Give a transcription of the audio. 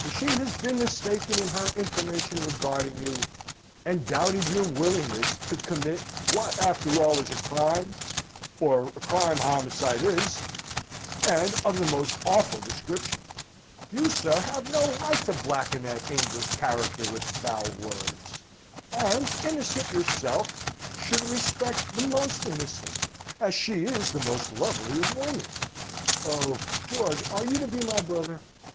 If she has been mistaken in her information regarding you, and doubted your willingness to commit what, after all, is a crime for a crime homicide is, and of the most awful description you, sir, have no right to blacken that angel's character with foul words: and, innocent yourself, should respect the most innocent as she is the most lovely of women! Oh, George, are you to be my brother?"